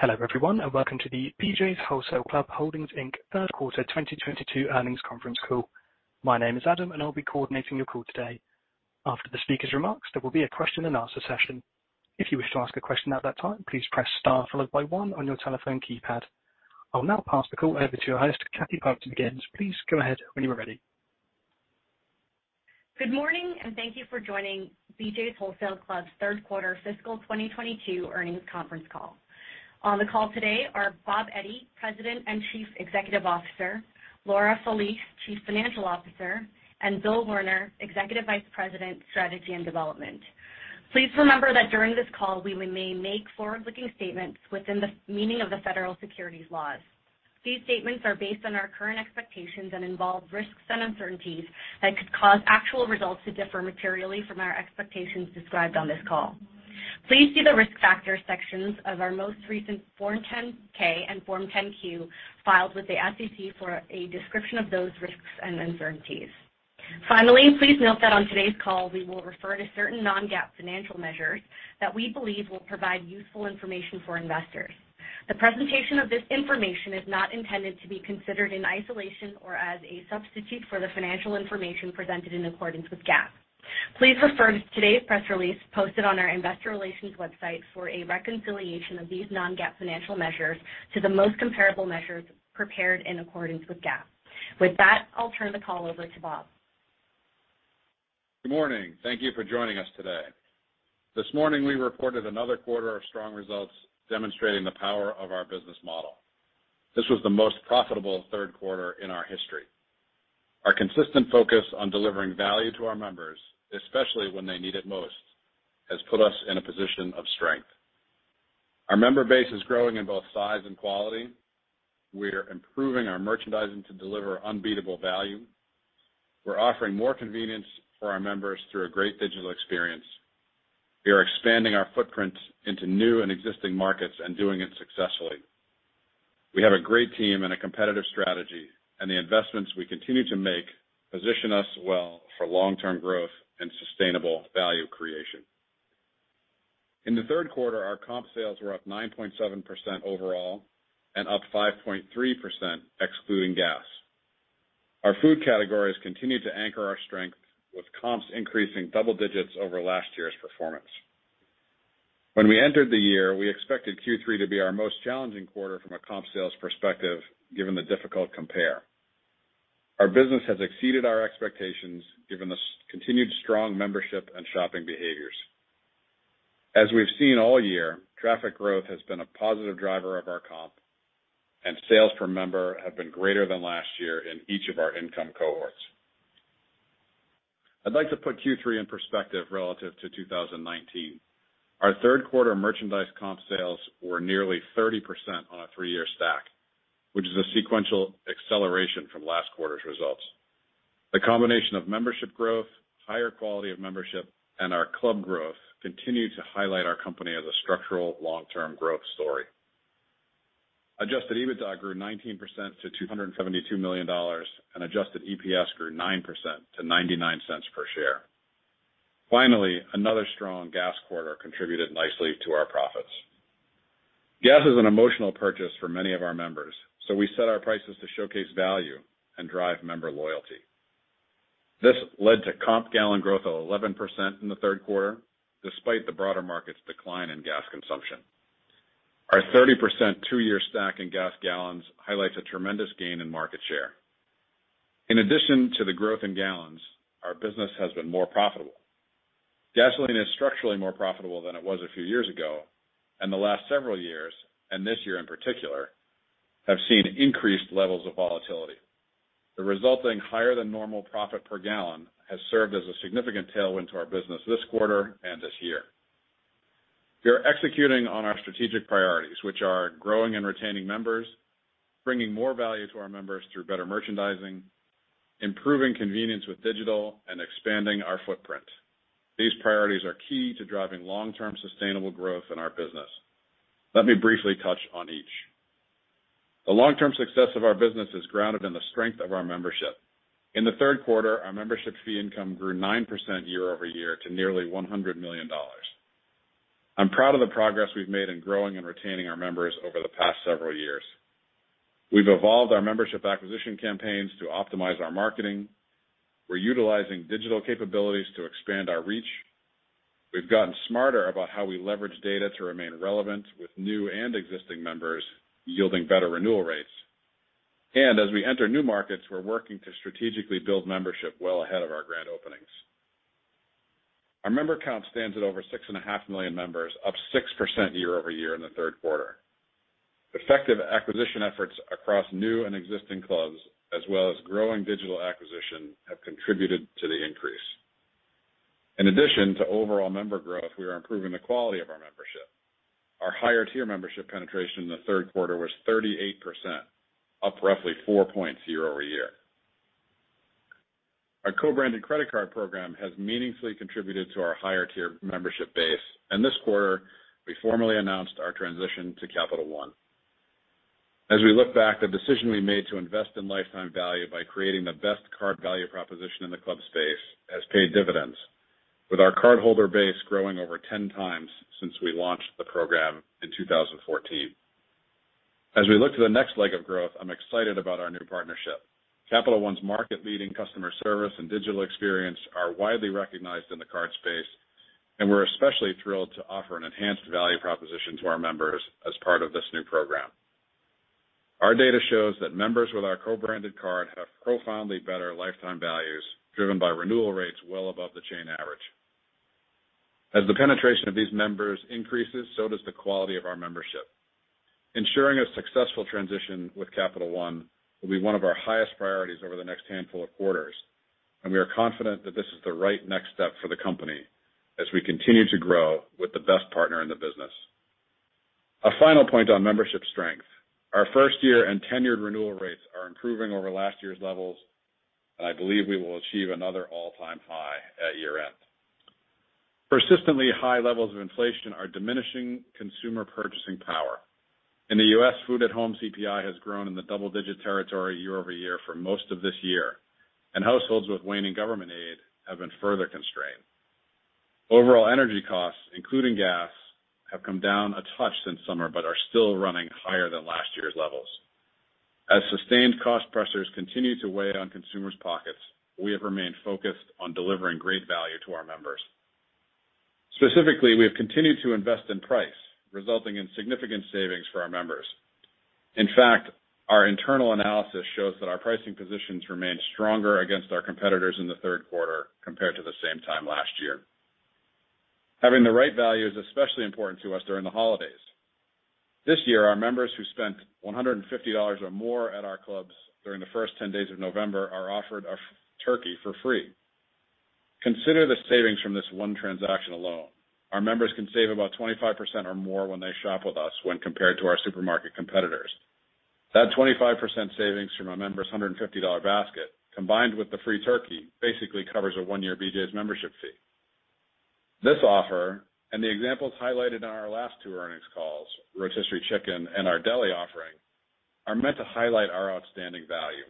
Hello, everyone, and welcome to the BJ's Wholesale Club Holdings Inc. 2022 Third Quarter Earnings Conference Call. My name is Adam, and I'll be coordinating your call today. After the speaker's remarks, there will be a question and answer session. If you wish to ask a question at that time, please press star followed by one on your telephone keypad. I'll now pass the call over to your host, Cathy Park. Please go ahead when you are ready. Good morning, and thank you for joining BJ's Wholesale Club's Third Quarter Fiscal 2022 Earnings Conference Call. On the call today are Bob Eddy, President and Chief Executive Officer, Laura Felice, Chief Financial Officer, and Bill Werner, Executive Vice President, Strategy and Development. Please remember that during this call, we may make forward-looking statements within the meaning of the federal securities laws. These statements are based on our current expectations and involve risks and uncertainties that could cause actual results to differ materially from our expectations described on this call. Please see the Risk Factors sections of our most recent Form 10-K and Form 10-Q filed with the SEC for a description of those risks and uncertainties. Finally, please note that on today's call, we will refer to certain non-GAAP financial measures that we believe will provide useful information for investors. The presentation of this information is not intended to be considered in isolation or as a substitute for the financial information presented in accordance with GAAP. Please refer to today's press release posted on our investor relations website for a reconciliation of these non-GAAP financial measures to the most comparable measures prepared in accordance with GAAP. With that, I'll turn the call over to Bob. Good morning. Thank you for joining us today. This morning, we reported another quarter of strong results demonstrating the power of our business model. This was the most profitable third quarter in our history. Our consistent focus on delivering value to our members, especially when they need it most, has put us in a position of strength. Our member base is growing in both size and quality. We're improving our merchandising to deliver unbeatable value. We're offering more convenience for our members through a great digital experience. We are expanding our footprint into new and existing markets and doing it successfully. We have a great team and a competitive strategy, and the investments we continue to make position us well for long-term growth and sustainable value creation. In the third quarter, our comp sales were up 9.7% overall and up 5.3% excluding gas. Our food categories continued to anchor our strength, with comps increasing double digits over last year's performance. When we entered the year, we expected Q3 to be our most challenging quarter from a comp sales perspective, given the difficult compare. Our business has exceeded our expectations given the continued strong membership and shopping behaviors. As we've seen all year, traffic growth has been a positive driver of our comp, and sales per member have been greater than last year in each of our income cohorts. I'd like to put Q3 in perspective relative to 2019. Our third quarter merchandise comp sales were nearly 30% on a three-year stack, which is a sequential acceleration from last quarter's results. The combination of membership growth, higher quality of membership, and our club growth continue to highlight our company as a structural long-term growth story. Adjusted EBITDA grew 19% to $272 million, and adjusted EPS grew 9% to $0.99 per share. Finally, another strong gas quarter contributed nicely to our profits. Gas is an emotional purchase for many of our members, so we set our prices to showcase value and drive member loyalty. This led to comp gallon growth of 11% in the third quarter, despite the broader market's decline in gas consumption. Our 30% two-year stack in gas gallons highlights a tremendous gain in market share. In addition to the growth in gallons, our business has been more profitable. Gasoline is structurally more profitable than it was a few years ago, and the last several years, and this year in particular, have seen increased levels of volatility. The resulting higher than normal profit per gallon has served as a significant tailwind to our business this quarter and this year. We are executing on our strategic priorities, which are growing and retaining members, bringing more value to our members through better merchandising, improving convenience with digital, and expanding our footprint. These priorities are key to driving long-term sustainable growth in our business. Let me briefly touch on each. The long-term success of our business is grounded in the strength of our membership. In the third quarter, our membership fee income grew 9% year-over-year to nearly $100 million. I'm proud of the progress we've made in growing and retaining our members over the past several years. We've evolved our membership acquisition campaigns to optimize our marketing. We're utilizing digital capabilities to expand our reach. We've gotten smarter about how we leverage data to remain relevant with new and existing members, yielding better renewal rates. As we enter new markets, we're working to strategically build membership well ahead of our grand openings. Our member count stands at over 6.5 million members, up 6% year-over-year in the third quarter. Effective acquisition efforts across new and existing clubs, as well as growing digital acquisition, have contributed to the increase. In addition to overall member growth, we are improving the quality of our membership. Our higher tier membership penetration in the third quarter was 38%, up roughly four points year-over-year. Our co-branded credit card program has meaningfully contributed to our higher-tier membership base, and this quarter, we formally announced our transition to Capital One. As we look back, the decision we made to invest in lifetime value by creating the best card value proposition in the club space has paid dividends, with our cardholder base growing over 10 times since we launched the program in 2014. As we look to the next leg of growth, I'm excited about our new partnership. Capital One's market-leading customer service and digital experience are widely recognized in the card space, and we're especially thrilled to offer an enhanced value proposition to our members as part of this new program. Our data shows that members with our co-branded card have profoundly better lifetime values, driven by renewal rates well above the chain average. As the penetration of these members increases, so does the quality of our membership. Ensuring a successful transition with Capital One will be one of our highest priorities over the next handful of quarters, and we are confident that this is the right next step for the company as we continue to grow with the best partner in the business. A final point on membership strength. Our first year and tenured renewal rates are improving over last year's levels, and I believe we will achieve another all-time high at year-end. Persistently high levels of inflation are diminishing consumer purchasing power. In the U.S., food at home CPI has grown in the double-digit territory year-over-year for most of this year, and households with waning government aid have been further constrained. Overall energy costs, including gas, have come down a touch since summer, but are still running higher than last year's levels. As sustained cost pressures continue to weigh on consumers' pockets, we have remained focused on delivering great value to our members. Specifically, we have continued to invest in price, resulting in significant savings for our members. In fact, our internal analysis shows that our pricing positions remained stronger against our competitors in the third quarter compared to the same time last year. Having the right value is especially important to us during the holidays. This year, our members who spent $150 or more at our clubs during the first 10 days of November are offered a turkey for free. Consider the savings from this one transaction alone. Our members can save about 25% or more when they shop with us when compared to our supermarket competitors. That 25% savings from a member's $150 basket, combined with the free turkey, basically covers a one-year BJ's membership fee. This offer, and the examples highlighted in our last two earnings calls, rotisserie chicken and our deli offering, are meant to highlight our outstanding value.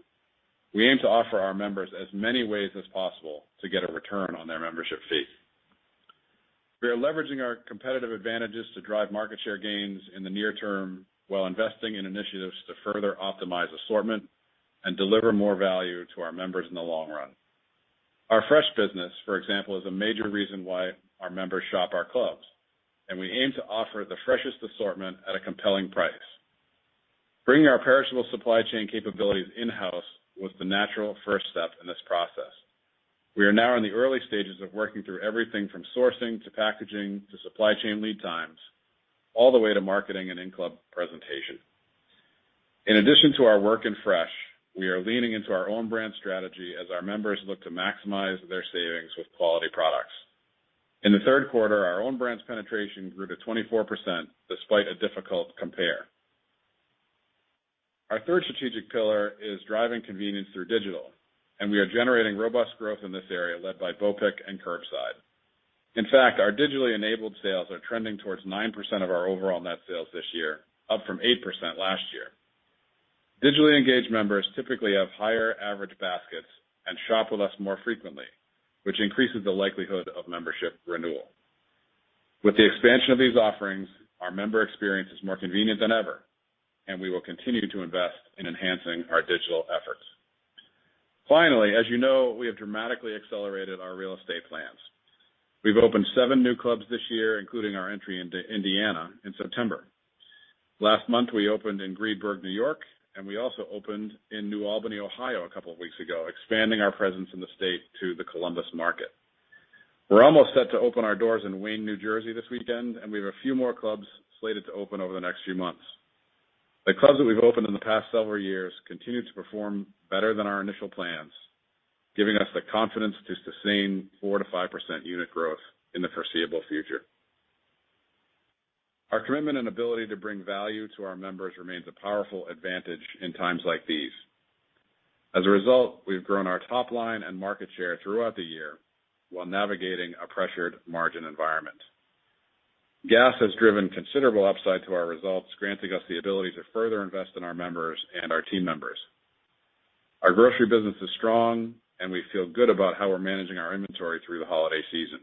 We aim to offer our members as many ways as possible to get a return on their membership fees. We are leveraging our competitive advantages to drive market share gains in the near term while investing in initiatives to further optimize assortment and deliver more value to our members in the long run. Our fresh business, for example, is a major reason why our members shop our clubs, and we aim to offer the freshest assortment at a compelling price. Bringing our perishable supply chain capabilities in-house was the natural first step in this process. We are now in the early stages of working through everything from sourcing to packaging to supply chain lead times, all the way to marketing and in-club presentation. In addition to our work in fresh, we are leaning into our own brand strategy as our members look to maximize their savings with quality products. In the third quarter, our own brands penetration grew to 24% despite a difficult compare. Our third strategic pillar is driving convenience through digital, and we are generating robust growth in this area led by BOPIC and curbside. In fact, our digitally enabled sales are trending towards 9% of our overall net sales this year, up from 8% last year. Digitally engaged members typically have higher average baskets and shop with us more frequently, which increases the likelihood of membership renewal. With the expansion of these offerings, our member experience is more convenient than ever, and we will continue to invest in enhancing our digital efforts. Finally, as you know, we have dramatically accelerated our real estate plans. We've opened seven new clubs this year, including our entry into Indiana in September. Last month, we opened in Greenburgh, New York, and we also opened in New Albany, Ohio, a couple of weeks ago, expanding our presence in the state to the Columbus market. We're almost set to open our doors in Wayne, New Jersey, this weekend, and we have a few more clubs slated to open over the next few months. The clubs that we've opened in the past several years continue to perform better than our initial plans, giving us the confidence to sustain 4%-5% unit growth in the foreseeable future. Our commitment and ability to bring value to our members remains a powerful advantage in times like these. As a result, we've grown our top line and market share throughout the year while navigating a pressured margin environment. Gas has driven considerable upside to our results, granting us the ability to further invest in our members and our team members. Our grocery business is strong and we feel good about how we're managing our inventory through the holiday season.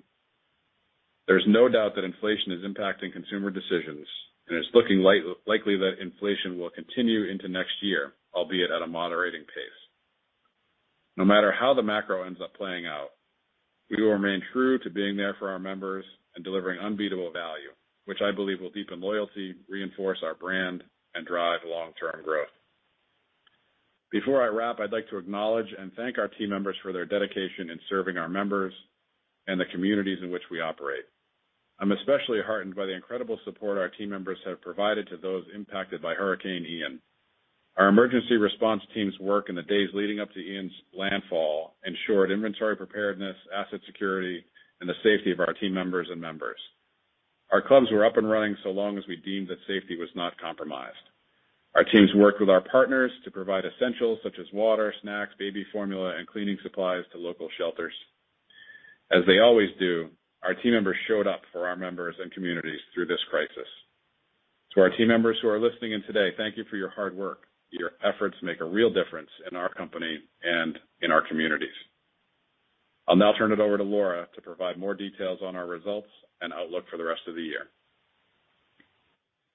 There's no doubt that inflation is impacting consumer decisions, and it's looking likely that inflation will continue into next year, albeit at a moderating pace. No matter how the macro ends up playing out, we will remain true to being there for our members and delivering unbeatable value, which I believe will deepen loyalty, reinforce our brand, and drive long-term growth. Before I wrap, I'd like to acknowledge and thank our team members for their dedication in serving our members and the communities in which we operate. I'm especially heartened by the incredible support our team members have provided to those impacted by Hurricane Ian. Our emergency response team's work in the days leading up to Ian's landfall ensured inventory preparedness, asset security, and the safety of our team members and members. Our clubs were up and running so long as we deemed that safety was not compromised. Our teams worked with our partners to provide essentials such as water, snacks, baby formula, and cleaning supplies to local shelters. As they always do, our team members showed up for our members and communities through this crisis. To our team members who are listening in today, thank you for your hard work. Your efforts make a real difference in our company and in our communities. I'll now turn it over to Laura to provide more details on our results and outlook for the rest of the year.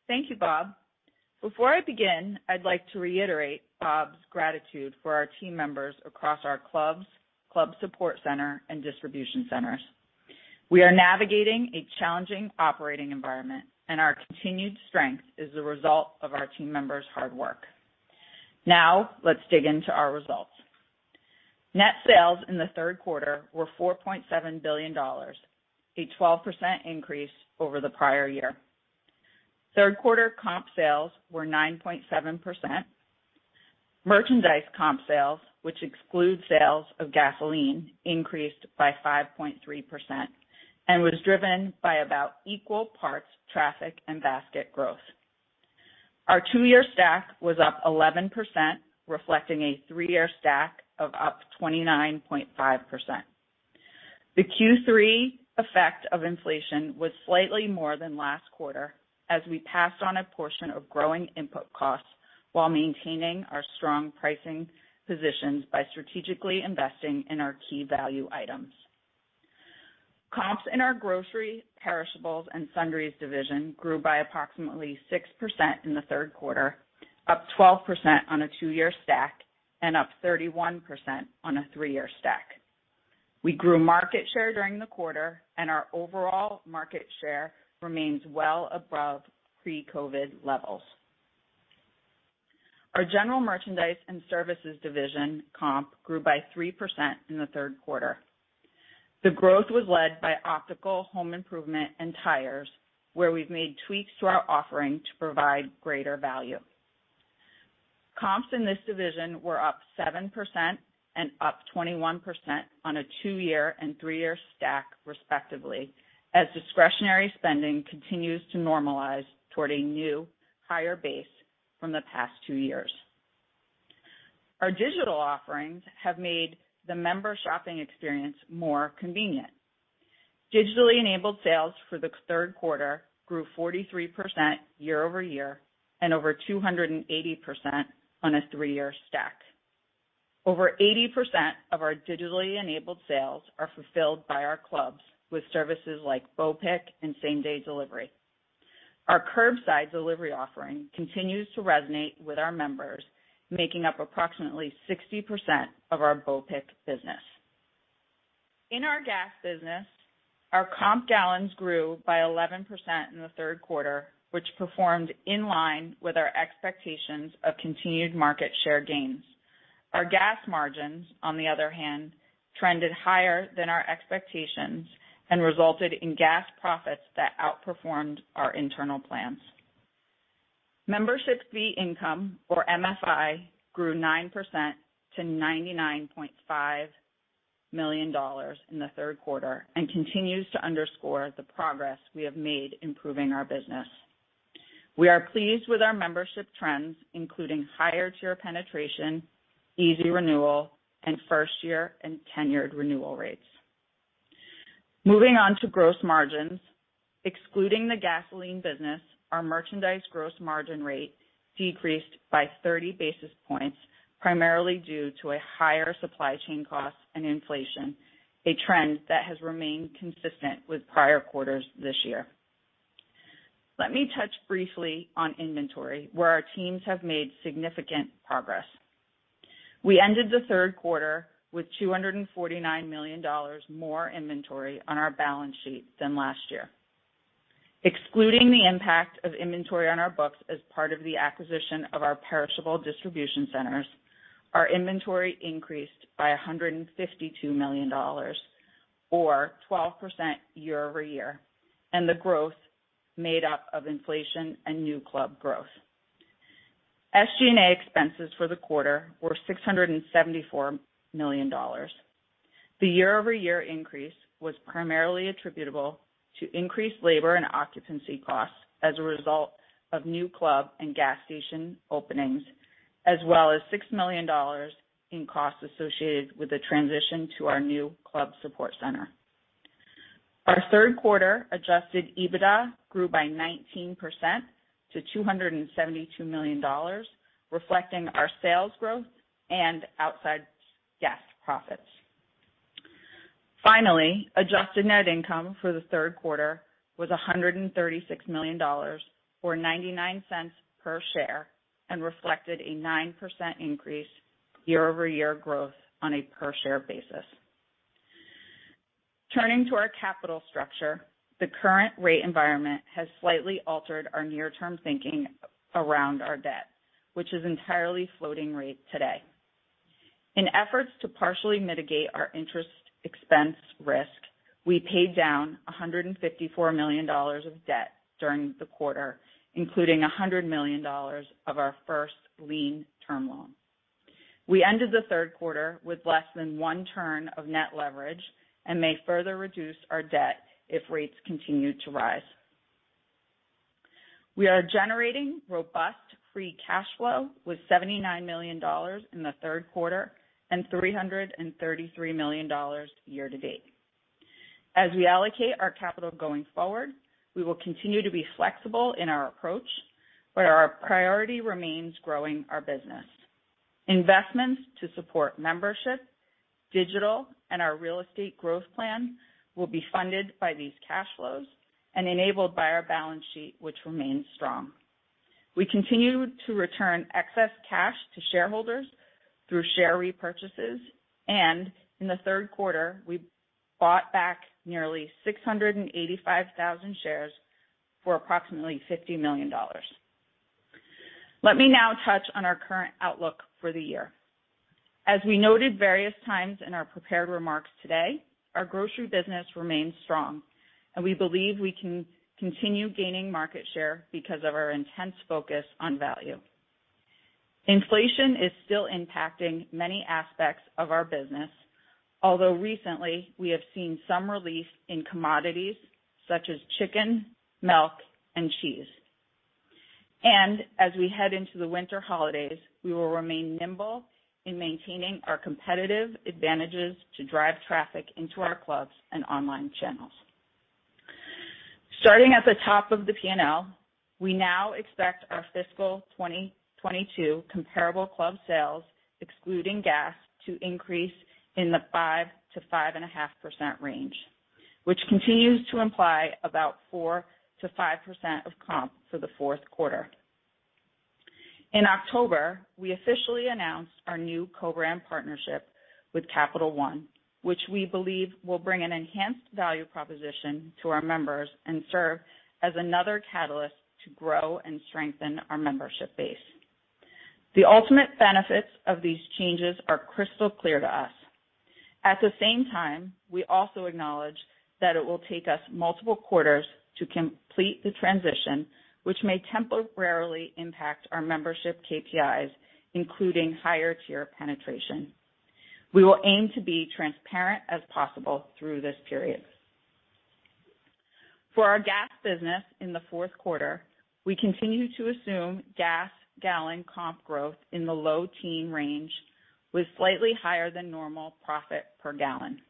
Thank you, Bob. Before I begin, I'd like to reiterate Bob's gratitude for our team members across our clubs, club support center, and distribution centers. We are navigating a challenging operating environment, and our continued strength is the result of our team members' hard work. Now, let's dig into our results. Net sales in the third quarter were $4.7 billion, a 12% increase over the prior year. Third quarter comp sales were 9.7%. Merchandise comp sales, which excludes sales of gasoline, increased by 5.3% and was driven by about equal parts traffic and basket growth. Our two-year stack was up 11%, reflecting a three-year stack of up 29.5%. The Q3 effect of inflation was slightly more than last quarter as we passed on a portion of growing input costs while maintaining our strong pricing positions by strategically investing in our key value items. Comps in our grocery, perishables, and sundries division grew by approximately 6% in the third quarter, up 12% on a two-year stack and up 31% on a three-year stack. We grew market share during the quarter, and our overall market share remains well above pre-COVID levels. Our general merchandise and services division comp grew by 3% in the third quarter. The growth was led by optical, home improvement, and tires, where we've made tweaks to our offering to provide greater value. Comps in this division were up 7% and up 21% on a two-year and three-year stack, respectively, as discretionary spending continues to normalize toward a new higher base from the past two years. Our digital offerings have made the member shopping experience more convenient. Digitally enabled sales for the third quarter grew 43% year-over-year and over 280% on a three-year stack. Over 80% of our digitally enabled sales are fulfilled by our clubs with services like BOPIC and same-day delivery. Our curbside delivery offering continues to resonate with our members, making up approximately 60% of our BOPIC business. In our gas business, our comp gallons grew by 11% in the third quarter, which performed in line with our expectations of continued market share gains. Our gas margins, on the other hand, trended higher than our expectations and resulted in gas profits that outperformed our internal plans. Membership fee income, or MFI, grew 9% to $99.5 million in the third quarter and continues to underscore the progress we have made improving our business. We are pleased with our membership trends, including higher tier penetration, easy renewal, and first year and tenured renewal rates. Moving on to gross margins. Excluding the gasoline business, our merchandise gross margin rate decreased by 30 basis points, primarily due to a higher supply chain cost and inflation, a trend that has remained consistent with prior quarters this year. Let me touch briefly on inventory, where our teams have made significant progress. We ended the third quarter with $249 million more inventory on our balance sheet than last year. Excluding the impact of inventory on our books as part of the acquisition of our perishable distribution centers, our inventory increased by $152 million or 12% year-over-year, and the growth made up of inflation and new club growth. SG&A expenses for the quarter were $674 million. The year-over-year increase was primarily attributable to increased labor and occupancy costs as a result of new club and gas station openings, as well as $6 million in costs associated with the transition to our new club support center. Our third quarter adjusted EBITDA grew by 19% to $272 million, reflecting our sales growth and outsized gas profits. Finally, adjusted net income for the third quarter was $136 million, or $0.99 per share, and reflected a 9% increase year-over-year growth on a per share basis. Turning to our capital structure, the current rate environment has slightly altered our near-term thinking around our debt, which is entirely floating rate today. In efforts to partially mitigate our interest expense risk, we paid down $154 million of debt during the quarter, including $100 million of our first lien term loan. We ended the third quarter with less than one turn of net leverage and may further reduce our debt if rates continue to rise. We are generating robust free cash flow with $79 million in the third quarter and $333 million year-to-date. As we allocate our capital going forward, we will continue to be flexible in our approach where our priority remains growing our business. Investments to support membership, digital, and our real estate growth plan will be funded by these cash flows and enabled by our balance sheet, which remains strong. We continue to return excess cash to shareholders through share repurchases, and in the third quarter, we bought back nearly 685,000 shares for approximately $50 million. Let me now touch on our current outlook for the year. As we noted various times in our prepared remarks today, our grocery business remains strong, and we believe we can continue gaining market share because of our intense focus on value. Inflation is still impacting many aspects of our business, although recently we have seen some relief in commodities such as chicken, milk, and cheese. As we head into the winter holidays, we will remain nimble in maintaining our competitive advantages to drive traffic into our clubs and online channels. Starting at the top of the P&L, we now expect our fiscal 2022 comparable club sales, excluding gas, to increase in the 5%-5.5% range, which continues to imply about 4%-5% of comp for the fourth quarter. In October, we officially announced our new co-brand partnership with Capital One, which we believe will bring an enhanced value proposition to our members and serve as another catalyst to grow and strengthen our membership base. The ultimate benefits of these changes are crystal clear to us. At the same time, we also acknowledge that it will take us multiple quarters to complete the transition, which may temporarily impact our membership KPIs, including higher tier penetration. We will aim to be transparent as possible through this period. For our gas business in the fourth quarter, we continue to assume gas gallon comp growth in the low-teen range with slightly higher than normal profit per gallon.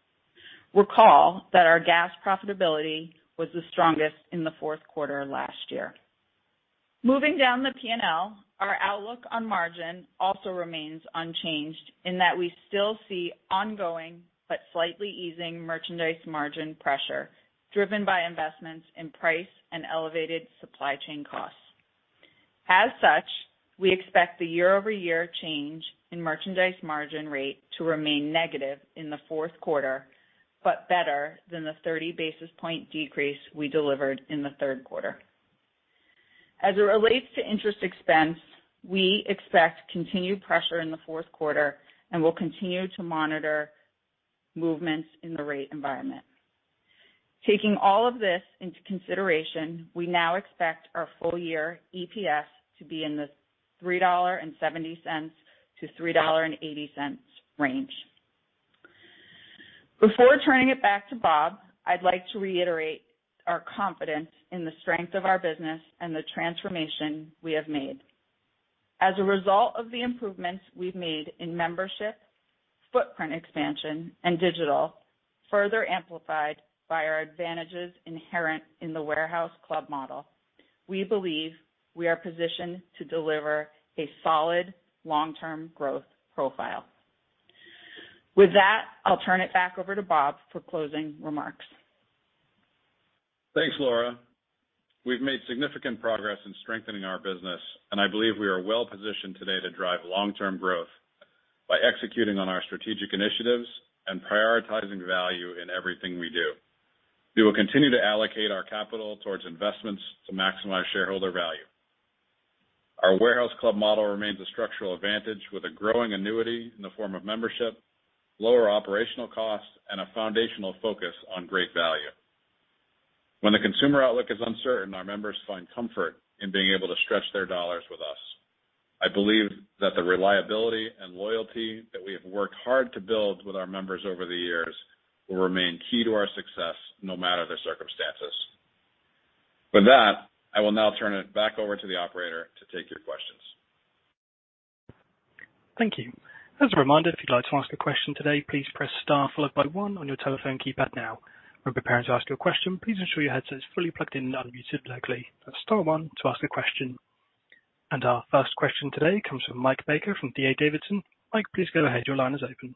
Recall that our gas profitability was the strongest in the fourth quarter last year. Moving down the P&L, our outlook on margin also remains unchanged in that we still see ongoing but slightly easing merchandise margin pressure driven by investments in price and elevated supply chain costs. As such, we expect the year-over-year change in merchandise margin rate to remain negative in the fourth quarter, but better than the 30 basis point decrease we delivered in the third quarter. As it relates to interest expense, we expect continued pressure in the fourth quarter and will continue to monitor movements in the rate environment. Taking all of this into consideration, we now expect our full-year EPS to be in the $3.70-$3.80 range. Before turning it back to Bob, I'd like to reiterate our confidence in the strength of our business and the transformation we have made. As a result of the improvements we've made in membership, footprint expansion, and digital, further amplified by our advantages inherent in the warehouse club model, we believe we are positioned to deliver a solid long-term growth profile. With that, I'll turn it back over to Bob for closing remarks. Thanks, Laura. We've made significant progress in strengthening our business, and I believe we are well-positioned today to drive long-term growth by executing on our strategic initiatives and prioritizing value in everything we do. We will continue to allocate our capital towards investments to maximize shareholder value. Our warehouse club model remains a structural advantage with a growing annuity in the form of membership, lower operational costs, and a foundational focus on great value. When the consumer outlook is uncertain, our members find comfort in being able to stretch their dollars with us. I believe that the reliability and loyalty that we have worked hard to build with our members over the years will remain key to our success, no matter the circumstances. With that, I will now turn it back over to the operator to take your questions. Thank you. As a reminder, if you'd like to ask a question today, please press star followed by one on your telephone keypad now. When preparing to ask your question, please ensure your headset is fully plugged in and unmuted locally. That's star one to ask a question. Our first question today comes from Mike Baker from D.A. Davidson. Mike, please go ahead. Your line is open.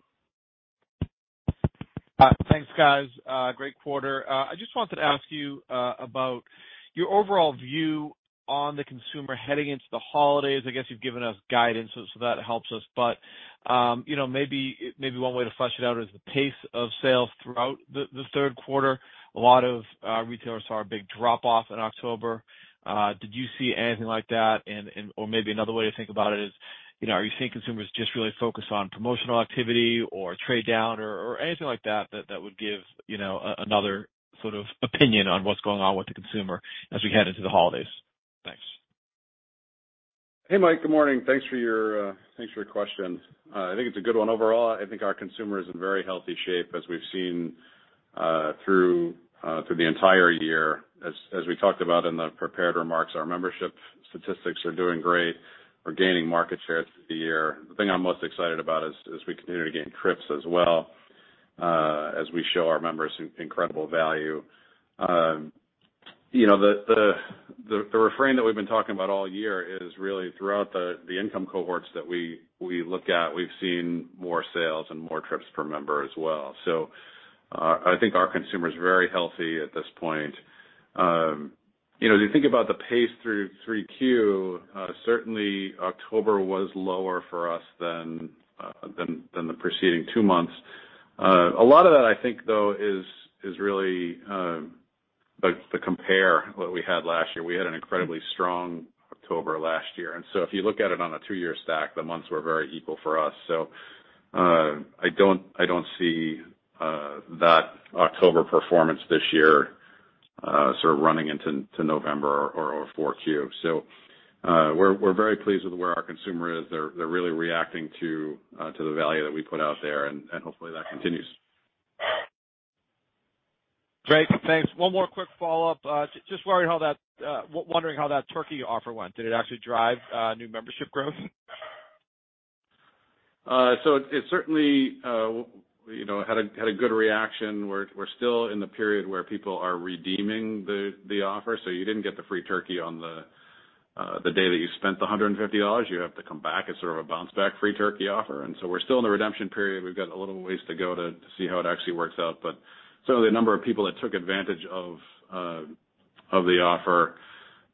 Thanks, guys. Great quarter. I just wanted to ask you about your overall view on the consumer heading into the holidays. I guess you've given us guidance, so that helps us. You know, maybe one way to flesh it out is the pace of sales throughout the third quarter. A lot of retailers saw a big drop-off in October. Did you see anything like that? Maybe another way to think about it is, you know, are you seeing consumers just really focus on promotional activity or trade down or anything like that that would give, you know, another sort of opinion on what's going on with the consumer as we head into the holidays? Thanks. Hey, Mike, good morning. Thanks for your question. I think it's a good one overall. I think our consumer is in very healthy shape as we've seen through the entire year. As we talked about in the prepared remarks, our membership statistics are doing great. We're gaining market share through the year. The thing I'm most excited about is, as we continue to gain trips as well, as we show our members incredible value. You know, the refrain that we've been talking about all year is really throughout the income cohorts that we look at, we've seen more sales and more trips per member as well. I think our consumer is very healthy at this point. You know, if you think about the pace through 3Q, certainly October was lower for us than the preceding two months. A lot of that I think though is really like the compare what we had last year. We had an incredibly strong October last year, and so if you look at it on a two-year stack, the months were very equal for us. I don't see that October performance this year sort of running into November or 4Q. We're very pleased with where our consumer is. They're really reacting to the value that we put out there, and hopefully that continues. Great. Thanks. One more quick follow-up. Just wondering how that turkey offer went. Did it actually drive new membership growth? It certainly, you know, had a good reaction. We're still in the period where people are redeeming the offer. You didn't get the free turkey on the day that you spent the $150. You have to come back. It's sort of a bounce back free turkey offer. We're still in the redemption period. We've got a little ways to go to see how it actually works out. Some of the number of people that took advantage of the offer,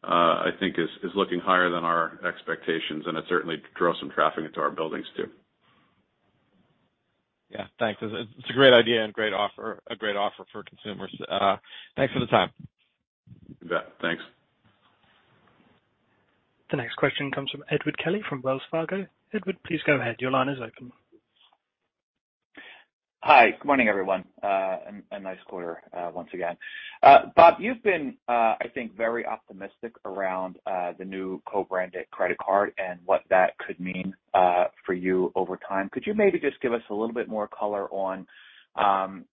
I think is looking higher than our expectations, and it certainly drove some traffic into our buildings too. Yeah. Thanks. It's a great idea and a great offer for consumers. Thanks for the time. You bet. Thanks. The next question comes from Edward Kelly from Wells Fargo. Edward, please go ahead. Your line is open. Hi, good morning, everyone, and nice quarter once again. Bob, you've been, I think, very optimistic around the new co-branded credit card and what that could mean for you over time. Could you maybe just give us a little bit more color on,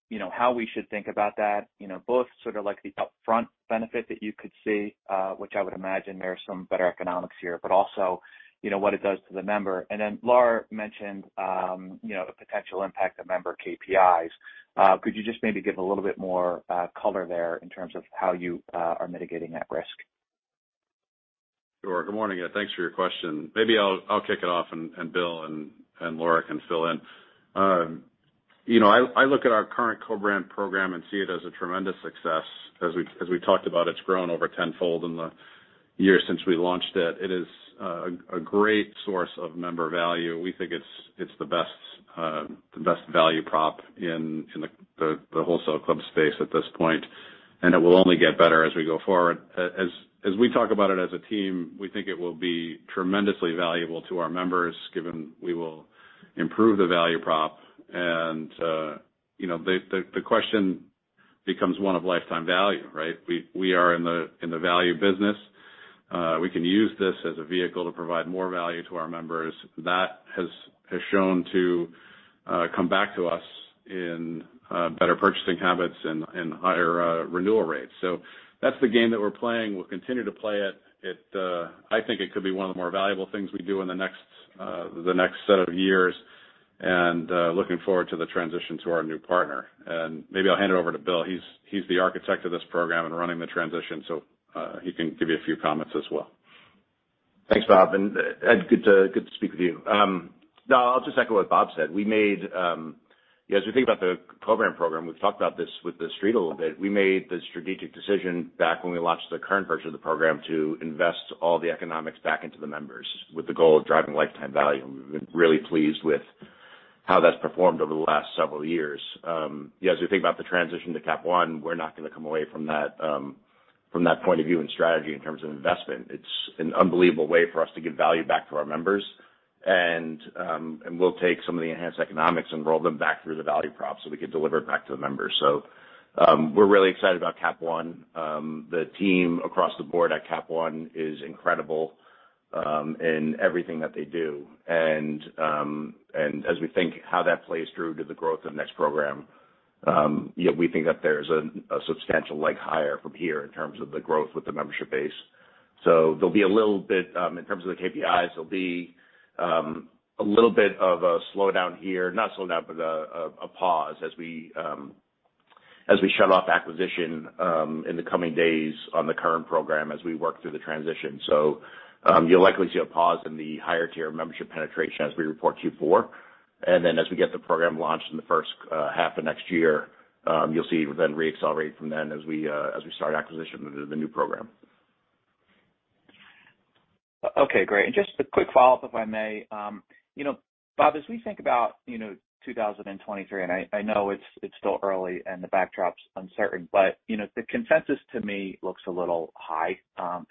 you know, how we should think about that? You know, both sort of like the upfront benefit that you could see, which I would imagine there are some better economics here, but also, you know, what it does to the member. Laura mentioned, you know, the potential impact of member KPIs. Could you just maybe give a little bit more color there in terms of how you are mitigating that risk? Sure. Good morning, Ed. Thanks for your question. Maybe I'll kick it off and Bill and Laura can fill in. You know, I look at our current co-brand program and see it as a tremendous success. As we talked about, it's grown over tenfold in the years since we launched it. It is a great source of member value. We think it's the best value prop in the wholesale club space at this point, and it will only get better as we go forward. As we talk about it as a team, we think it will be tremendously valuable to our members, given we will improve the value prop. You know, the question becomes 1 of lifetime value, right? We are in the value business. We can use this as a vehicle to provide more value to our members. That has shown to come back to us in better purchasing habits and higher renewal rates. That's the game that we're playing. We'll continue to play it. I think it could be one of the more valuable things we do in the next set of years. Looking forward to the transition to our new partner. Maybe I'll hand it over to Bill. He's the architect of this program and running the transition, so he can give you a few comments as well. Thanks, Bob, and Ed, good to speak with you. No, I'll just echo what Bob said. We made, you know, as we think about the co-brand program, we've talked about this with the Street a little bit. We made the strategic decision back when we launched the current version of the program to invest all the economics back into the members with the goal of driving lifetime value. We've been really pleased with how that's performed over the last several years. You know, as we think about the transition to Cap One, we're not gonna come away from that point of view and strategy in terms of investment. It's an unbelievable way for us to give value back to our members. We'll take some of the enhanced economics and roll them back through the value prop so we can deliver it back to the members. We're really excited about Cap One. The team across the board at Cap One is incredible in everything that they do. As we think how that plays through to the growth of next program, you know, we think that there's a substantial leg higher from here in terms of the growth with the membership base. In terms of the KPIs, there'll be a little bit of a slowdown here, not slowdown, but a pause as we shut off acquisition in the coming days on the current program as we work through the transition. You'll likely see a pause in the higher tier membership penetration as we report Q4. As we get the program launched in the first half of next year, you'll see it then re-accelerate from then as we start acquisition into the new program. Okay, great. Just a quick follow-up, if I may. You know, Bob, as we think about 2023, and I know it's still early and the backdrop's uncertain, but, you know, the consensus to me looks a little high,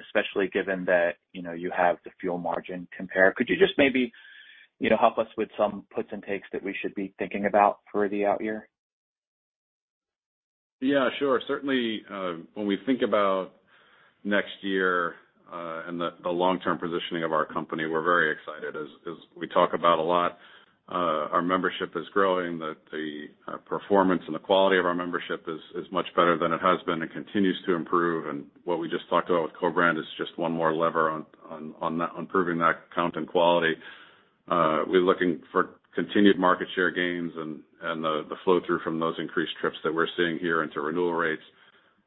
especially given that, you know, you have the fuel margin compare. Could you just maybe, you know, help us with some puts and takes that we should be thinking about for the out year? Yeah, sure. Certainly, when we think about next year and the long-term positioning of our company, we're very excited. As we talk about a lot, our membership is growing. The performance and the quality of our membership is much better than it has been and continues to improve. What we just talked about with co-brand is just one more lever on improving that account and quality. We're looking for continued market share gains and the flow-through from those increased trips that we're seeing here into renewal rates.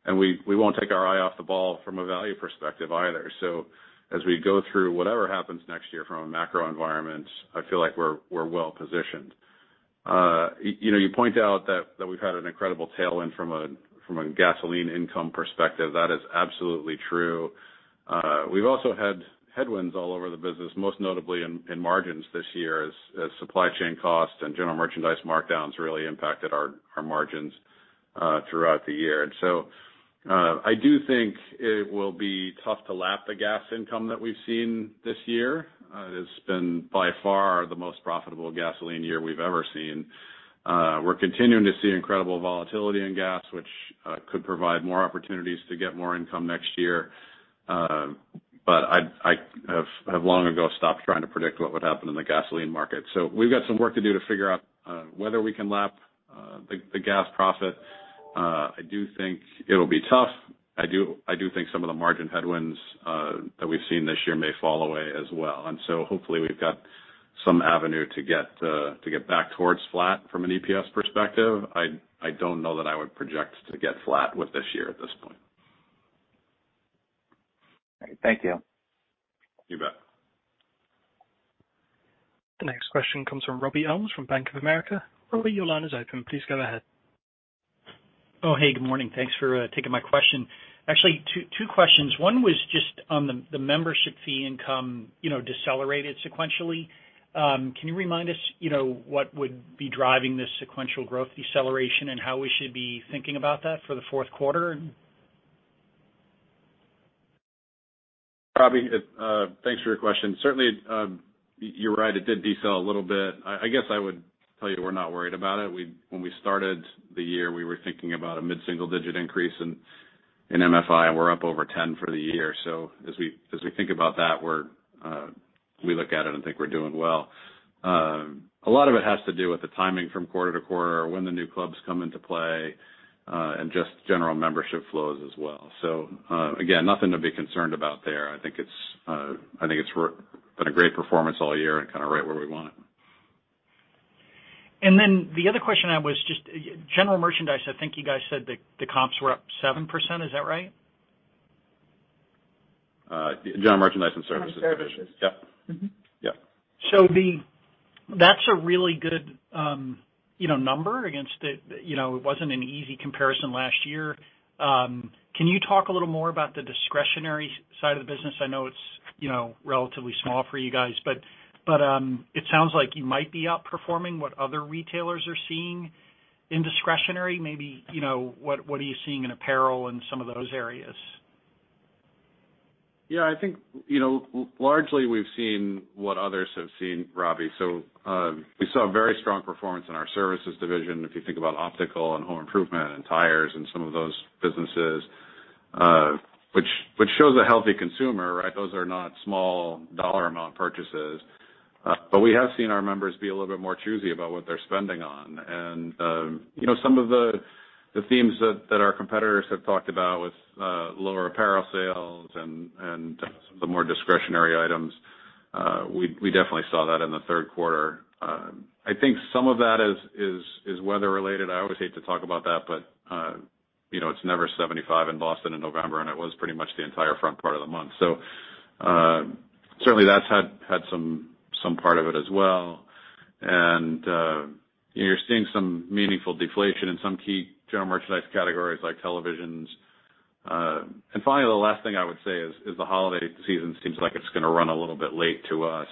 We won't take our eye off the ball from a value perspective either. As we go through whatever happens next year from a macro environment, I feel like we're well-positioned. You know, you point out that we've had an incredible tailwind from a gasoline income perspective. That is absolutely true. We've also had headwinds all over the business, most notably in margins this year as supply chain costs and general merchandise markdowns really impacted our margins throughout the year. I do think it will be tough to lap the gas income that we've seen this year. It's been by far the most profitable gasoline year we've ever seen. We're continuing to see incredible volatility in gas, which could provide more opportunities to get more income next year. I have long ago stopped trying to predict what would happen in the gasoline market. We've got some work to do to figure out whether we can lap the gas profit. I do think it'll be tough. I do think some of the margin headwinds that we've seen this year may fall away as well. Hopefully we've got some avenue to get back towards flat from an EPS perspective. I don't know that I would project to get flat with this year at this point. Thank you. You bet. The next question comes from Robby Ohmes from Bank of America. Robby, your line is open. Please go ahead. Oh, hey, good morning. Thanks for taking my question. Actually two questions. One was just on the membership fee income, you know, decelerated sequentially. Can you remind us, you know, what would be driving this sequential growth deceleration and how we should be thinking about that for the fourth quarter? Robby, thanks for your question. Certainly, you're right. It did decel a little bit. I guess I would tell you we're not worried about it. When we started the year, we were thinking about a mid-single-digit increase in MFI, and we're up over 10% for the year. As we think about that, we look at it and think we're doing well. A lot of it has to do with the timing from quarter-to-quarter or when the new clubs come into play and just general membership flows as well. Again, nothing to be concerned about there. I think it's been a great performance all year and kind of right where we want it. The other question I had was just general merchandise. I think you guys said the comps were up 7%. Is that right? General merchandise and services. Services. Yep. That's a really good, you know, number against, you know, it wasn't an easy comparison last year. Can you talk a little more about the discretionary side of the business? I know it's, you know, relatively small for you guys, but it sounds like you might be outperforming what other retailers are seeing in discretionary. Maybe, you know, what are you seeing in apparel and some of those areas? Yeah, I think, you know, largely we've seen what others have seen, Robby. We saw very strong performance in our services division, if you think about optical and home improvement and tires and some of those businesses, which shows a healthy consumer, right? Those are not small dollar amount purchases. We have seen our members be a little bit more choosy about what they're spending on. You know, some of the themes that our competitors have talked about with lower apparel sales and some of the more discretionary items, we definitely saw that in the third quarter. I think some of that is weather-related. I always hate to talk about that, but you know, it's never 75 in Boston in November, and it was pretty much the entire front part of the month. Certainly that's had some part of it as well. You're seeing some meaningful deflation in some key general merchandise categories like televisions. Finally, the last thing I would say is the holiday season seems like it's gonna run a little bit late to us.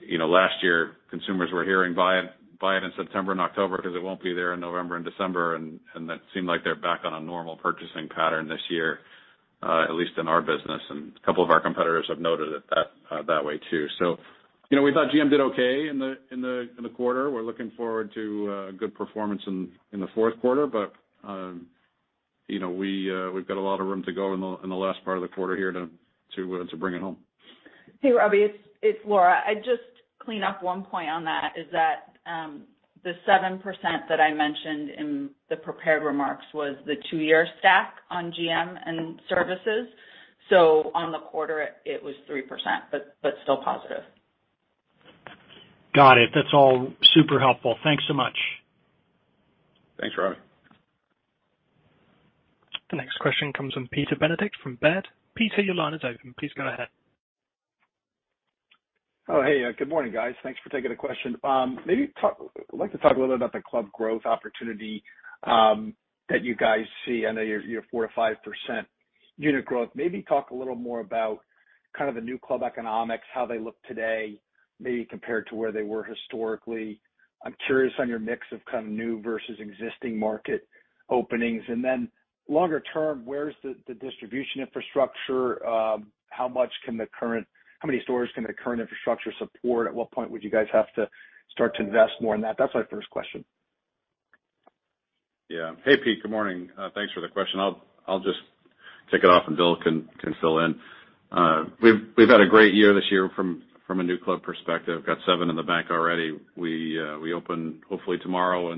You know, last year, consumers were hearing, "Buy it in September and October because it won't be there in November and December." That seemed like they're back on a normal purchasing pattern this year, at least in our business, and a couple of our competitors have noted it that way too. You know, we thought GM did okay in the quarter. We're looking forward to good performance in the fourth quarter. You know, we've got a lot of room to go in the last part of the quarter here to bring it home. Hey, Robbie, it's Laura. I'd just clean up one point on that is that the 7% that I mentioned in the prepared remarks was the two-year stack on GM and services. On the quarter it was 3%, but still positive. Got it. That's all super helpful. Thanks so much. Thanks, Rob. The next question comes from Peter Benedict from Baird. Peter, your line is open. Please go ahead. Oh, hey. Good morning, guys. Thanks for taking the question. I'd like to talk a little bit about the club growth opportunity that you guys see. I know you're, you know, 4%-5% unit growth. Maybe talk a little more about kind of the new club economics, how they look today, maybe compared to where they were historically. I'm curious on your mix of kind of new versus existing market openings. Longer term, where's the distribution infrastructure? How many stores can the current infrastructure support? At what point would you guys have to start to invest more in that? That's my first question. Yeah. Hey, Pete, good morning. Thanks for the question. I'll just kick it off and Bill can fill in. We've had a great year this year from a new club perspective. Got seven in the bank already. We open hopefully tomorrow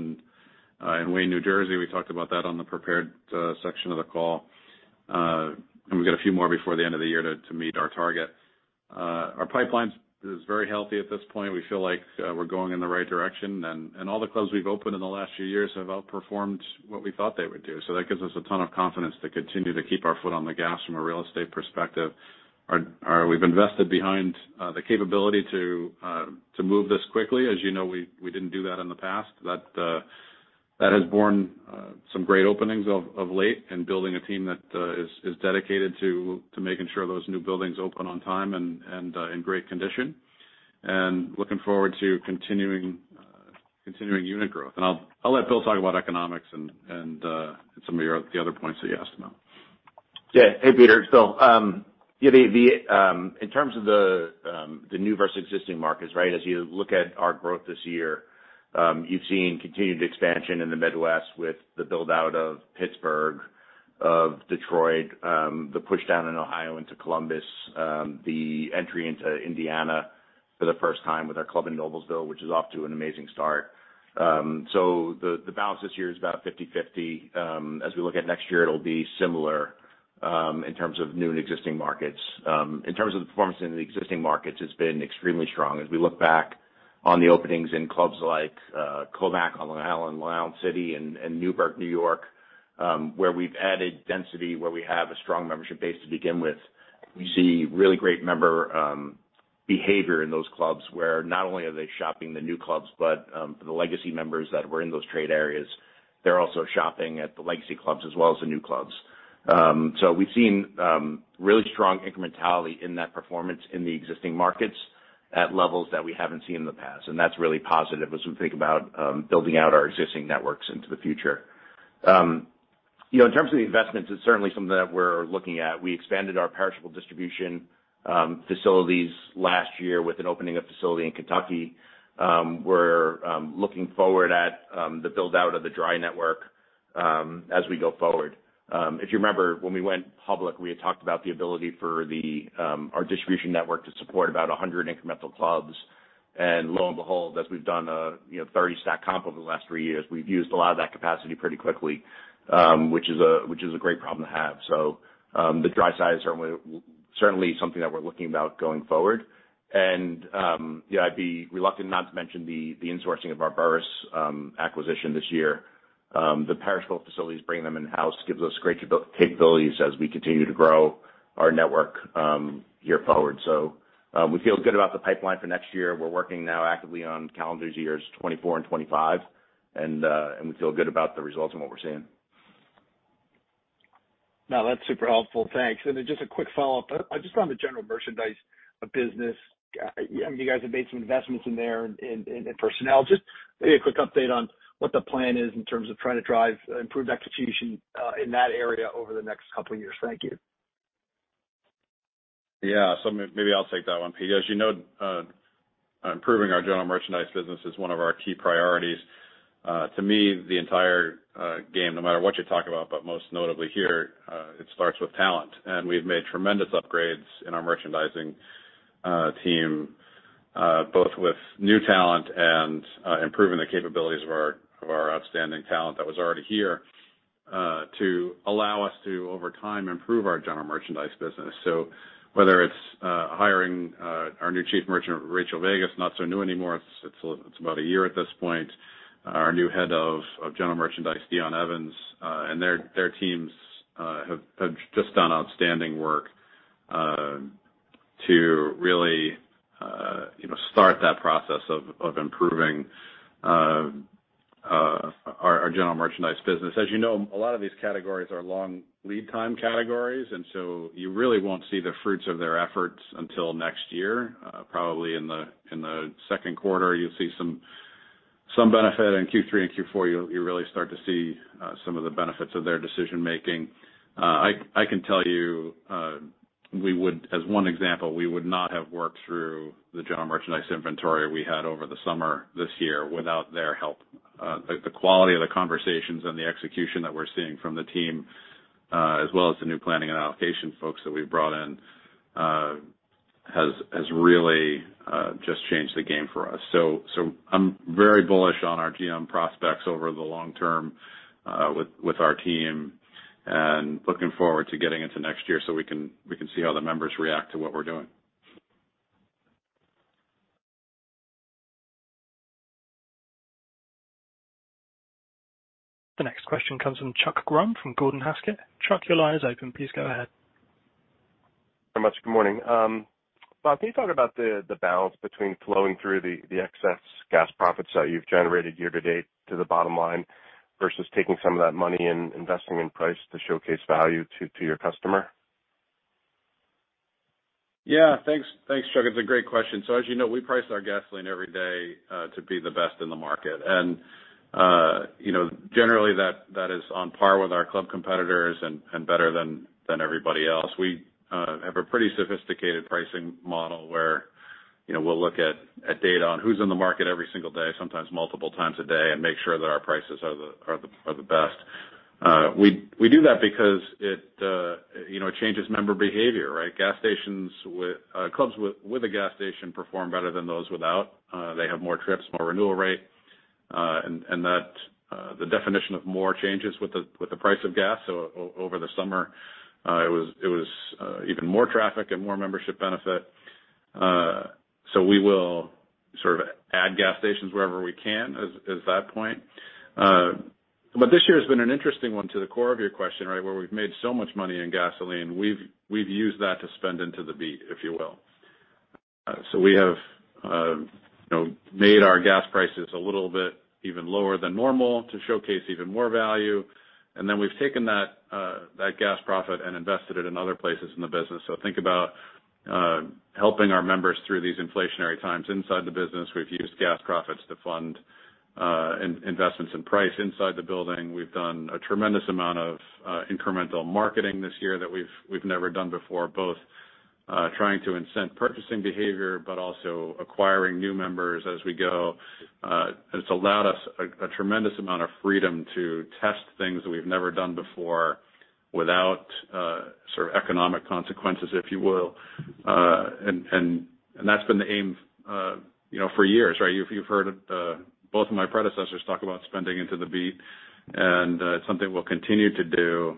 in Wayne, New Jersey. We talked about that on the prepared section of the call. We've got a few more before the end of the year to meet our target. Our pipeline is very healthy at this point. We feel like we're going in the right direction. All the clubs we've opened in the last few years have outperformed what we thought they would do. That gives us a ton of confidence to continue to keep our foot on the gas from a real estate perspective. We've invested behind the capability to move this quickly. As you know, we didn't do that in the past. That has borne some great openings of late and building a team that is dedicated to making sure those new buildings open on time and in great condition. Looking forward to continuing unit growth. I'll let Bill talk about economics and the other points that you asked about. Yeah. Hey, Peter. Yeah, in terms of the new versus existing markets, right? As you look at our growth this year, you've seen continued expansion in the Midwest with the build-out of Pittsburgh, of Detroit, the push down in Ohio into Columbus, the entry into Indiana for the first time with our club in Noblesville, which is off to an amazing start. The balance this year is about 50/50. As we look at next year, it'll be similar in terms of new and existing markets. In terms of the performance in the existing markets, it's been extremely strong. As we look back on the openings in clubs like Commack on Long Island, Linden, and Greenburgh, New York, where we've added density, where we have a strong membership base to begin with, we see really great member behavior in those clubs, where not only are they shopping the new clubs, but for the legacy members that were in those trade areas, they're also shopping at the legacy clubs as well as the new clubs. We've seen really strong incrementality in that performance in the existing markets at levels that we haven't seen in the past. That's really positive as we think about building out our existing networks into the future. You know, in terms of the investments, it's certainly something that we're looking at. We expanded our perishable distribution facilities last year with an opening of facility in Kentucky. We're looking forward at the build-out of the dry network as we go forward. If you remember, when we went public, we had talked about the ability for our distribution network to support about 100 incremental clubs. Lo and behold, as we've done, you know, 30% stack comp over the last three years, we've used a lot of that capacity pretty quickly, which is a great problem to have. The dry side is certainly something that we're looking about going forward. Yeah, I'd be reluctant not to mention the insourcing of our Burris acquisition this year. The perishable facilities, bringing them in-house gives us great capabilities as we continue to grow our network year forward. We feel good about the pipeline for next year. We're working now actively on calendar years 2024 and 2025, and we feel good about the results and what we're seeing. No, that's super helpful. Thanks. Just a quick follow-up. Just on the general merchandise business. You guys have made some investments in there and personnel. Just maybe a quick update on what the plan is in terms of trying to drive improved execution in that area over the next couple of years. Thank you. Yeah. Maybe I'll take that one, Pete. As you know, improving our general merchandise business is one of our key priorities. To me, the entire game, no matter what you talk about, but most notably here, it starts with talent. We've made tremendous upgrades in our merchandising team, both with new talent and improving the capabilities of our outstanding talent that was already here, to allow us to, over time, improve our general merchandise business. Whether it's hiring our new Chief Merchant, Rachael Vegas, not so new anymore, it's about a year at this point. Our new head of general merchandise, Dion Evans, uh, and their teams, uh, have just done outstanding work, uh, to really, uh, you know, start that process of improving, uh, our general merchandise business. As you know, a lot of these categories are long lead time categories, and so you really won't see the fruits of their efforts until next year. Uh, probably in the, in the second quarter, you'll see some benefit. In Q3 and Q4, you'll, you really start to see, uh, some of the benefits of their decision-making. I can tell you we would, as one example, we would not have worked through the general merchandise inventory we had over the summer this year without their help. The quality of the conversations and the execution that we're seeing from the team as well as the new planning and allocation folks that we've brought in has really just changed the game for us. I'm very bullish on our GM prospects over the long term with our team and looking forward to getting into next year so we can see how the members react to what we're doing. The next question comes from Chuck Grom from Gordon Haskett. Chuck, your line is open. Please go ahead. Very much. Good morning. Bob, can you talk about the balance between flowing through the excess gas profits that you've generated year-to-date to the bottom line versus taking some of that money and investing in price to showcase value to your customer? Yeah. Thanks, Chuck. It's a great question. As you know, we price our gasoline every day to be the best in the market. You know, generally, that is on par with our club competitors and better than everybody else. We have a pretty sophisticated pricing model where, you know, we'll look at data on who's in the market every single day, sometimes multiple times a day, and make sure that our prices are the best. We do that because it, you know, it changes member behavior, right? Clubs with a gas station perform better than those without. They have more trips, more renewal rate, and that the definition of more changes with the price of gas. Over the summer, it was even more traffic and more membership benefit. We will sort of add gas stations wherever we can is that point. This year has been an interesting one to the core of your question, right? Where we've made so much money in gasoline, we've used that to spend into the beat, if you will. We have, you know, made our gas prices a little bit even lower than normal to showcase even more value. We've taken that gas profit and invested it in other places in the business. Think about helping our members through these inflationary times inside the business. We've used gas profits to fund investments in price inside the building. We've done a tremendous amount of incremental marketing this year that we've never done before, both trying to incent purchasing behavior, but also acquiring new members as we go. It's allowed us a tremendous amount of freedom to test things that we've never done before without sort of economic consequences, if you will. That's been the aim, you know, for years, right? You've heard both of my predecessors talk about spending into the beat. It's something we'll continue to do,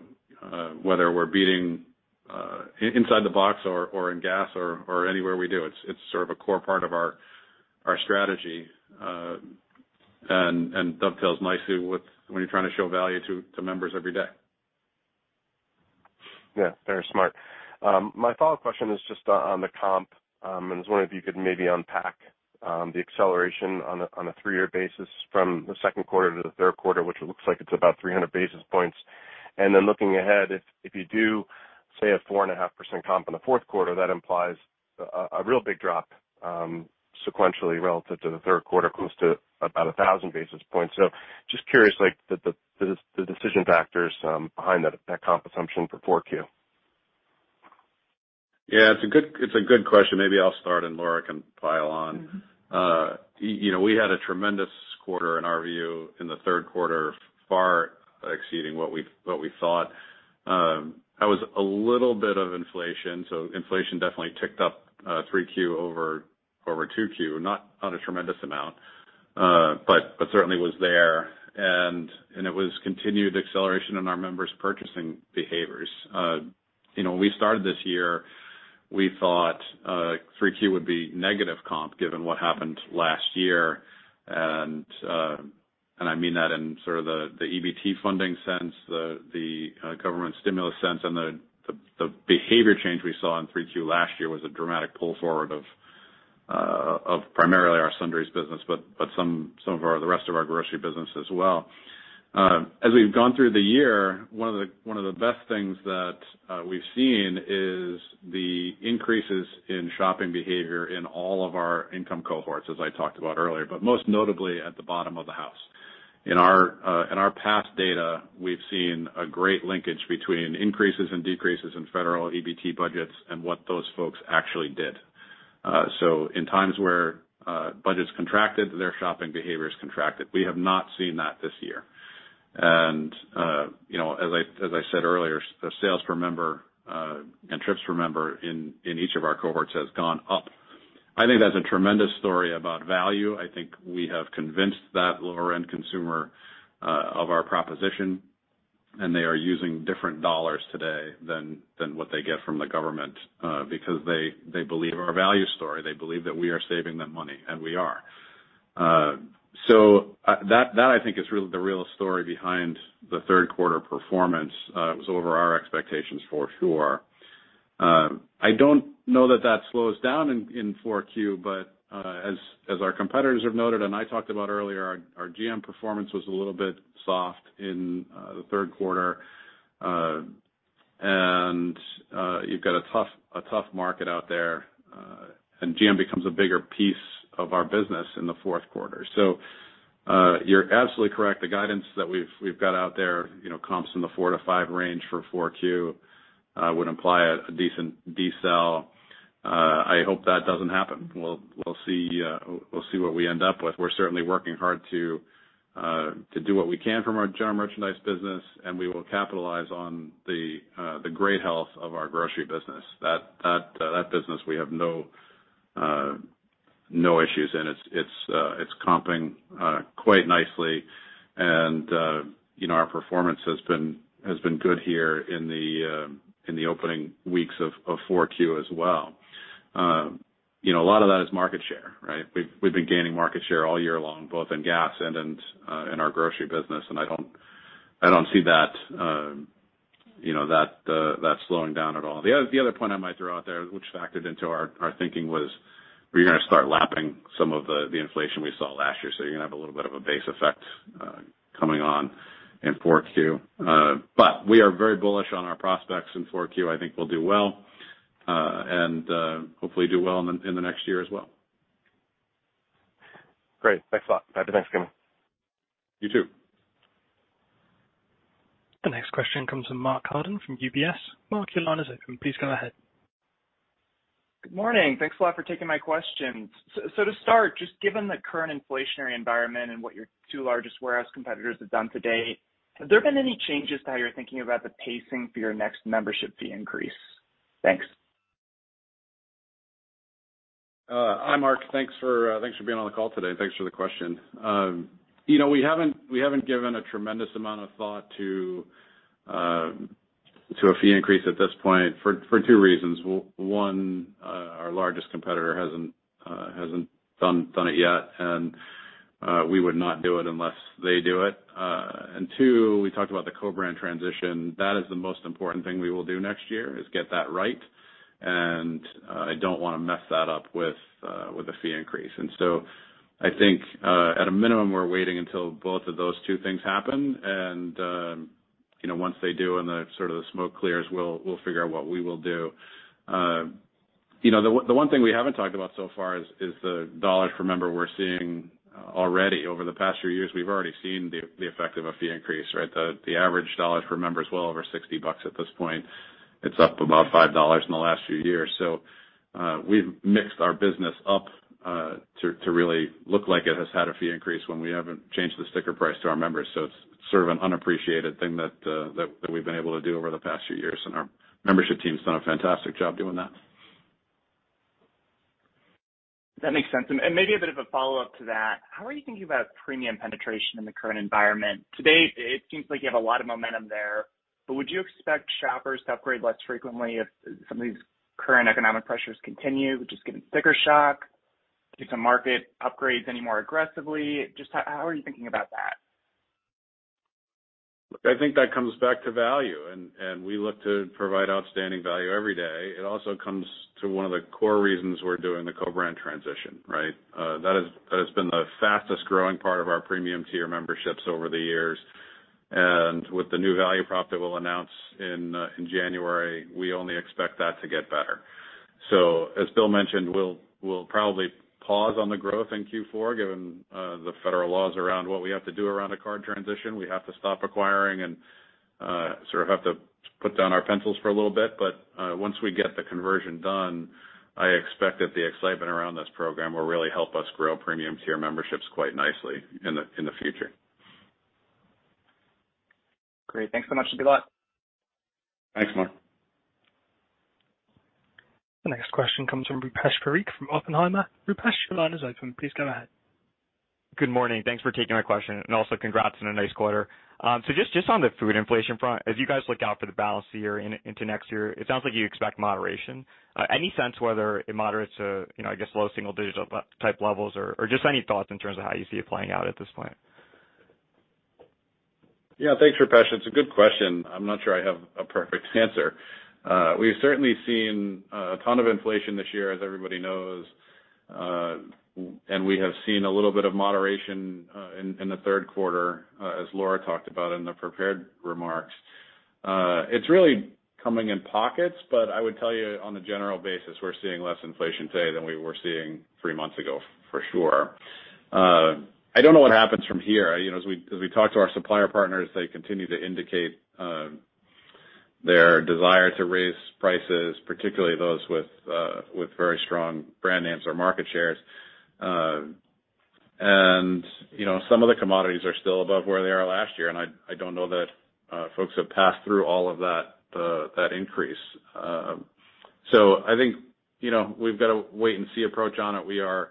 whether we're beating inside the box or in gas or anywhere we do. It's sort of a core part of our strategy and dovetails nicely with when you're trying to show value to members every day. Yeah, very smart. My follow-up question is just on the comp. I was wondering if you could maybe unpack the acceleration on a three-year basis from the second quarter to the third quarter, which it looks like it's about 300 basis points. Looking ahead, if you do, say, a 4.5% comp in the fourth quarter, that implies a real big drop sequentially relative to the third quarter, close to about 1,000 basis points. Just curious, like, the decision factors behind that comp assumption for Q4. Yeah, it's a good question. Maybe I'll start and Laura can pile on. You know, we had a tremendous quarter in our view in the third quarter, far exceeding what we thought. That was a little bit of inflation. Inflation definitely ticked up 3Q over 2Q, not a tremendous amount, but certainly was there. It was continued acceleration in our members' purchasing behaviors. You know, when we started this year, we thought 3Q would be negative comp given what happened last year. I mean that in sort of the EBT funding sense, the government stimulus sense, and the behavior change we saw in 3Q last year was a dramatic pull forward of primarily our sundries business, but the rest of our grocery business as well. As we've gone through the year, one of the best things that we've seen is the increases in shopping behavior in all of our income cohorts, as I talked about earlier, but most notably at the bottom of the house. In our past data, we've seen a great linkage between increases and decreases in federal EBT budgets and what those folks actually did. In times where budgets contracted, their shopping behaviors contracted. We have not seen that this year. You know, as I said earlier, the sales per member and trips per member in each of our cohorts has gone up. I think that's a tremendous story about value. I think we have convinced that lower-end consumer of our proposition, and they are using different dollars today than what they get from the government because they believe our value story. They believe that we are saving them money, and we are. That I think is really the real story behind the third quarter performance. It was over our expectations for sure. I don't know that that slows down in 4Q, but as our competitors have noted and I talked about earlier, our GM performance was a little bit soft in the third quarter. You've got a tough market out there, and GM becomes a bigger piece of our business in the fourth quarter. You're absolutely correct. The guidance that we've got out there, you know, comps in the 4%-5% range for 4Q would imply a decent decel. I hope that doesn't happen. We'll see what we end up with. We're certainly working hard to do what we can from our general merchandise business, and we will capitalize on the great health of our grocery business. That business we have no issues in. It's comping quite nicely. You know, our performance has been good here in the opening weeks of 4Q as well. You know, a lot of that is market share, right? We've been gaining market share all year long, both in gas and in our grocery business. I don't see, you know, that slowing down at all. The other point I might throw out there, which factored into our thinking, was we're gonna start lapping some of the inflation we saw last year, so you're gonna have a little bit of a base effect coming on in Q4. We are very bullish on our prospects in Q4. I think we'll do well and hopefully do well in the next year as well. Great. Thanks a lot. Happy Thanksgiving. You too. Next question comes from Mark Carden from UBS. Mark, your line is open. Please go ahead. Good morning. Thanks a lot for taking my questions. To start, just given the current inflationary environment and what your two largest warehouse competitors have done to date, have there been any changes to how you're thinking about the pacing for your next membership fee increase? Thanks. Hi, Mark. Thanks for being on the call today, and thanks for the question. You know, we haven't given a tremendous amount of thought to a fee increase at this point for two reasons. One, our largest competitor hasn't done it yet, and we would not do it unless they do it. Two, we talked about the co-brand transition. That is the most important thing we will do next year, is get that right. I don't wanna mess that up with a fee increase. I think, at a minimum, we're waiting until both of those two things happen. You know, once they do and the smoke clears, we'll figure out what we will do. You know, the one thing we haven't talked about so far is the dollars per member we're seeing already. Over the past few years, we've already seen the effect of a fee increase, right? The average dollars per member is well over $60 at this point. It's up about $5 in the last few years. We've mixed our business up to really look like it has had a fee increase when we haven't changed the sticker price to our members. It's sort of an unappreciated thing that we've been able to do over the past few years, and our membership team's done a fantastic job doing that. That makes sense. Maybe a bit of a follow-up to that. How are you thinking about premium penetration in the current environment? Today it seems like you have a lot of momentum there, but would you expect shoppers to upgrade less frequently if some of these current economic pressures continue, which is getting sticker shock? Do you market upgrades any more aggressively? Just how are you thinking about that? Look, I think that comes back to value, and we look to provide outstanding value every day. It also comes to one of the core reasons we're doing the co-brand transition, right? That has been the fastest growing part of our premium tier memberships over the years. With the new value prop that we'll announce in January, we only expect that to get better. As Bill mentioned, we'll probably pause on the growth in Q4, given the federal laws around what we have to do around a card transition. We have to stop acquiring and sort of have to put down our pencils for a little bit. Once we get the conversion done, I expect that the excitement around this program will really help us grow premium tier memberships quite nicely in the future. Great. Thanks so much. It's been a lot. Thanks, Mark. The next question comes from Rupesh Parikh from Oppenheimer. Rupesh, your line is open. Please go ahead. Good morning. Thanks for taking my question. Also congrats on a nice quarter. Just on the food inflation front, as you guys look out for the balance of the year into next year, it sounds like you expect moderation. Any sense whether it moderates to, you know, I guess, low single digit type levels? Just any thoughts in terms of how you see it playing out at this point? Yeah. Thanks, Rupesh. It's a good question. I'm not sure I have a perfect answer. We've certainly seen a ton of inflation this year, as everybody knows. We have seen a little bit of moderation in the third quarter, as Laura talked about in the prepared remarks. It's really coming in pockets, but I would tell you on a general basis, we're seeing less inflation today than we were seeing three months ago for sure. I don't know what happens from here. You know, as we talk to our supplier partners, they continue to indicate their desire to raise prices, particularly those with very strong brand names or market shares. You know, some of the commodities are still above where they are last year, and I don't know that folks have passed through all of that increase. I think, you know, we've got a wait-and-see approach on it. We are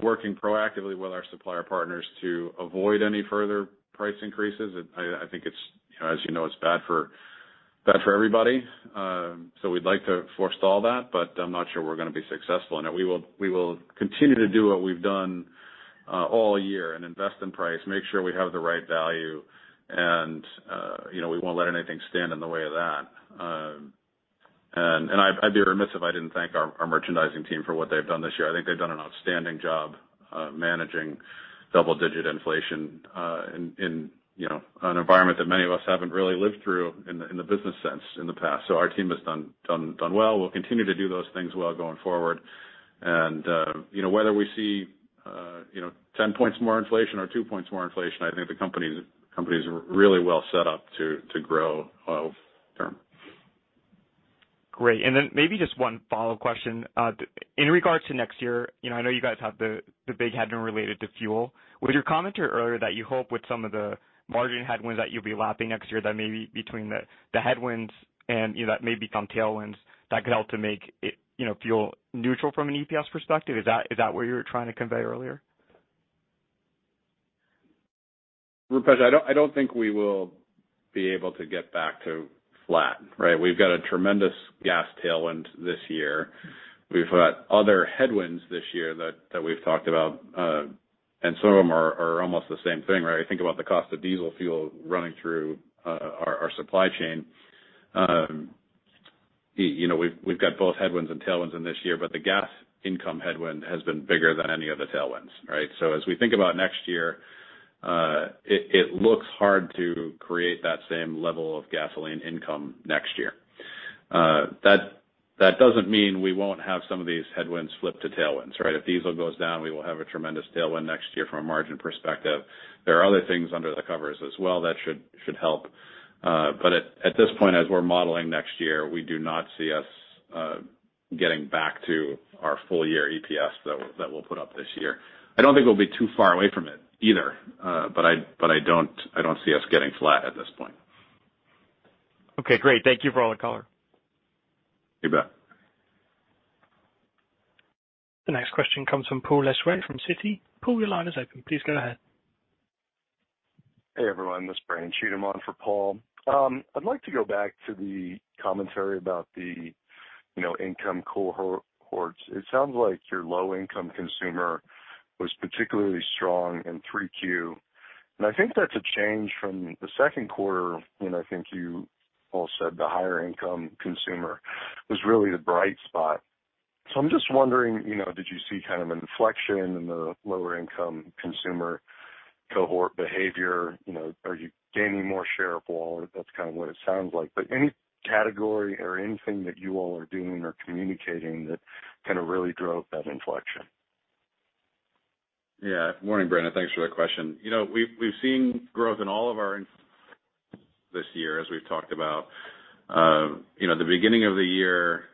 working proactively with our supplier partners to avoid any further price increases. I think it's, you know, as you know, it's bad for everybody. We'd like to forestall that, but I'm not sure we're gonna be successful. We will continue to do what we've done all year and invest in price, make sure we have the right value, and you know, we won't let anything stand in the way of that. I'd be remiss if I didn't thank our merchandising team for what they've done this year. I think they've done an outstanding job managing double-digit inflation in, you know, an environment that many of us haven't really lived through in the business sense in the past. Our team has done well. We'll continue to do those things well going forward. You know, whether we see, you know, 10 points more inflation or two points more inflation, I think the company's really well set up to grow long-term. Great. Maybe just one follow-up question. In regards to next year, you know, I know you guys have the big headwind related to fuel. With your commentary earlier that you hope with some of the margin headwinds that you'll be lapping next year, that maybe between the headwinds and, you know, that may become tailwinds that could help to make it, you know, feel neutral from an EPS perspective. Is that what you were trying to convey earlier? Rupesh, I don't think we will be able to get back to flat, right? We've got a tremendous gas tailwind this year. We've got other headwinds this year that we've talked about. Some of them are almost the same thing, right? Think about the cost of diesel fuel running through our supply chain. You know, we've got both headwinds and tailwinds in this year, but the gas income headwind has been bigger than any of the tailwinds, right? As we think about next year, it looks hard to create that same level of gasoline income next year. That doesn't mean we won't have some of these headwinds flip to tailwinds, right? If diesel goes down, we will have a tremendous tailwind next year from a margin perspective. There are other things under the covers as well that should help. At this point, as we're modeling next year, we do not see us getting back to our full year EPS that we'll put up this year. I don't think we'll be too far away from it either. I don't see us getting flat at this point. Okay, great. Thank you for all the color. You bet. The next question comes from Paul Lejuez from Citi. Paul, your line is open. Please go ahead. Hey, everyone, this is Brandon Cheatham on for Paul. I'd like to go back to the commentary about the, you know, income cohorts. It sounds like your low-income consumer was particularly strong in 3Q. I think that's a change from the second quarter when I think you all said the higher-income consumer was really the bright spot. I'm just wondering, you know, did you see kind of an inflection in the lower-income consumer cohort behavior? You know, are you gaining more share of wallet? That's kind of what it sounds like. Any category or anything that you all are doing or communicating that kind of really drove that inflection? Yeah. Morning, Brandon. Thanks for that question. You know, we've seen growth in all of our this year, as we've talked about. You know, the beginning of the year,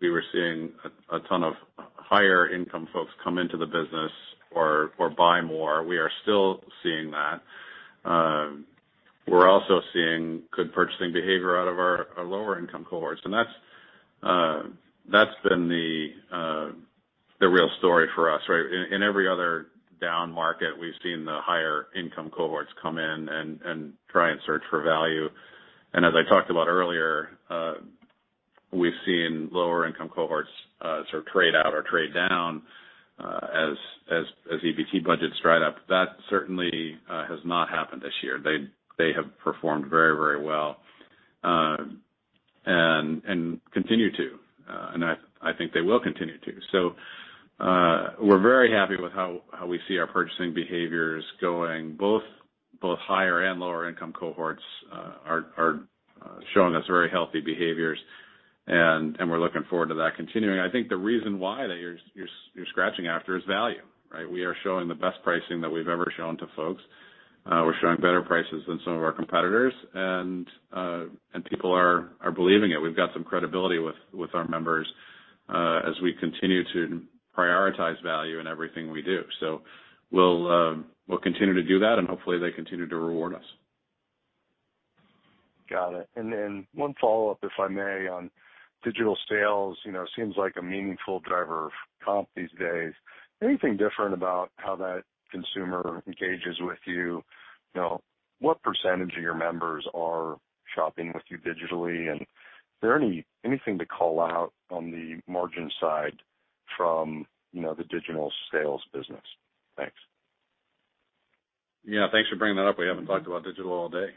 we were seeing a ton of higher income folks come into the business or buy more. We are still seeing that. We're also seeing good purchasing behavior out of our lower income cohorts. That's been the real story for us, right? In every other down market, we've seen the higher income cohorts come in and try and search for value. As I talked about earlier, we've seen lower income cohorts sort of trade out or trade down as EBT budgets dry up. That certainly has not happened this year. They have performed very well and continue to, and I think they will continue to. We're very happy with how we see our purchasing behaviors going. Both higher and lower income cohorts are showing us very healthy behaviors, and we're looking forward to that continuing. I think the reason why that you're scratching after is value, right? We are showing the best pricing that we've ever shown to folks. We're showing better prices than some of our competitors, and people are believing it. We've got some credibility with our members as we continue to prioritize value in everything we do. We'll continue to do that, and hopefully they continue to reward us. Got it. One follow-up, if I may, on digital sales. You know, seems like a meaningful driver of comp these days. Anything different about how that consumer engages with you? You know, what percent of your members are shopping with you digitally? Is there anything to call out on the margin side from, you know, the digital sales business? Thanks. Yeah. Thanks for bringing that up. We haven't talked about digital all day.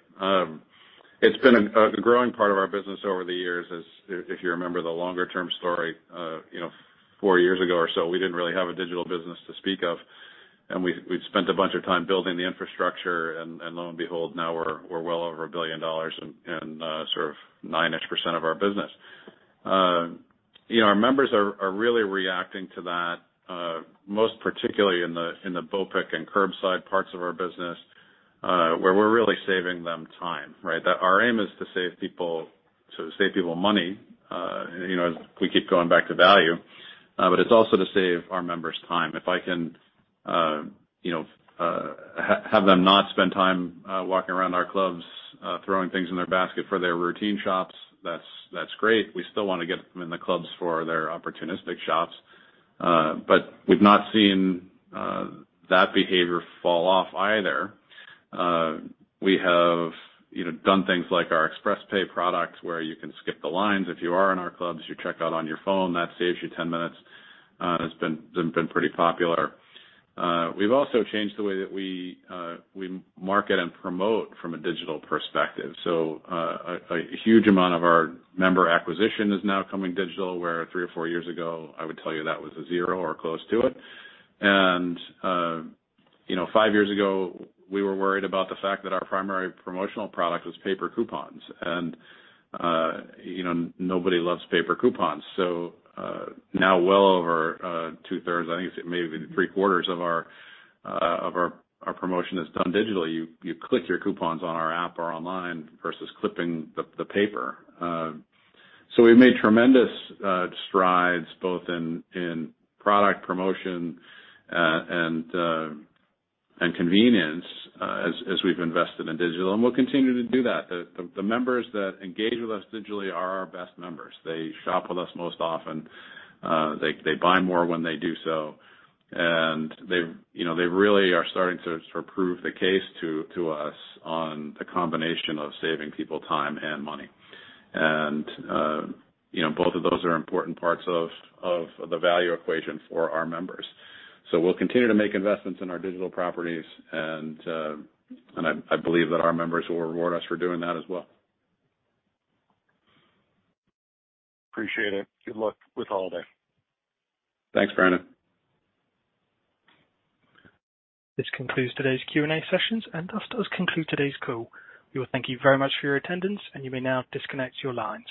It's been a growing part of our business over the years. If you remember the longer-term story, you know, four years ago or so, we didn't really have a digital business to speak of, and we'd spent a bunch of time building the infrastructure. Lo and behold, now we're well over $1 billion and sort of 9-ish% of our business. You know, our members are really reacting to that, most particularly in the BOPIC and curbside parts of our business, where we're really saving them time, right? That our aim is to save people money, you know, as we keep going back to value, but it's also to save our members time. If I can, you know, have them not spend time walking around our clubs, throwing things in their basket for their routine shops, that's great. We still wanna get them in the clubs for their opportunistic shops. We've not seen that behavior fall off either. We have, you know, done things like our ExpressPay products where you can skip the lines if you are in our clubs. You check out on your phone. That saves you 10 minutes. It's been pretty popular. We've also changed the way that we market and promote from a digital perspective. A huge amount of our member acquisition is now coming digital, where three or four years ago, I would tell you that was a zero or close to it. You know, five years ago, we were worried about the fact that our primary promotional product was paper coupons. You know, nobody loves paper coupons. Now well over 2/3, I think it's maybe 3/4 of our promotion is done digitally. You click your coupons on our app or online versus clipping the paper. We've made tremendous strides both in product promotion and convenience as we've invested in digital, and we'll continue to do that. The members that engage with us digitally are our best members. They shop with us most often. They buy more when they do so. You know, they really are starting to sort of prove the case to us on the combination of saving people time and money. You know, both of those are important parts of the value equation for our members. We'll continue to make investments in our digital properties and I believe that our members will reward us for doing that as well. Appreciate it. Good luck with holiday. Thanks, Brandon. This concludes today's Q&A sessions and thus does conclude today's call. We thank you very much for your attendance, and you may now disconnect your lines.